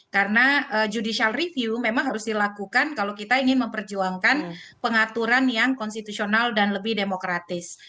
karena judicial review memang harus dilakukan kalau kita ingin memperjuangkan pengaturan yang konstitusional dan lebih demokratis